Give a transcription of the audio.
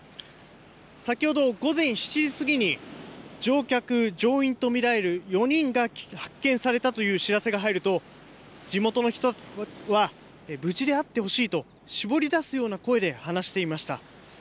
先ほど午前７時過ぎに、乗客・乗員と見られる４人が発見されたという知らせが入ると、地元の人は、無事であってほしいと、絞り出すような声で話していました。